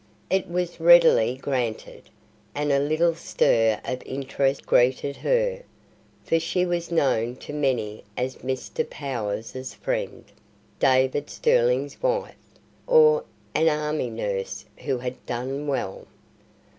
It was readily granted, and a little stir of interest greeted her; for she was known to many as Mr. Power's friend, David Sterling's wife, or an army nurse who had done well.